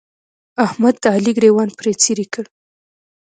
احمد د علي ګرېوان پر څيرې کړ.